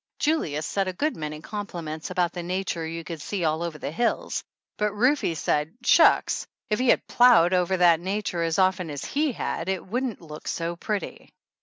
Julius said a good many com pliments about the nature you could see all over the hills, but Rufe said shucks, if he had plowed over that nature as often as he had it wouldn't look so pretty.